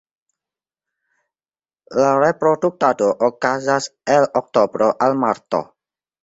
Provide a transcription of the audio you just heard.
La reproduktado okazas el oktobro al marto.